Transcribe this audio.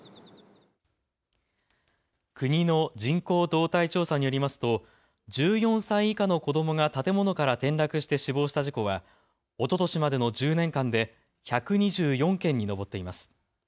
国の人口動態調査によりますと１４歳以下の子どもが建物から転落して死亡した事故はおととしまでの１０年間で１２４件に上っています。